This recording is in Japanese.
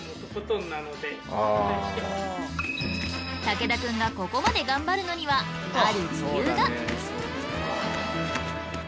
武田くんがここまで頑張るのにはある理由が。